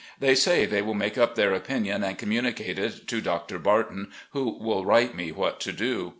They say they will make up their opinion and communicate it to Doctor Barton, who will write me what to do.